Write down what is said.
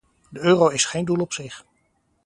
De euro is geen doel op zich.